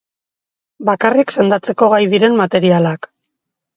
Bakarrik sendatzeko gai diren materialak.